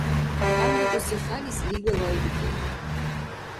ГъямбикӀуси хялис лига лайбикӀен.